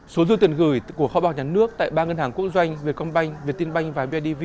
số dư tiền gửi của kho báo nhắn nước tại ba ngân hàng quốc doanh việt công banh việt tin banh và bidv